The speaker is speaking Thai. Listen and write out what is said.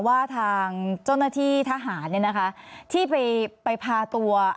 ว่าทางเจ้าหน้าที่ทหารเนี่ยนะคะที่ไปพาตัว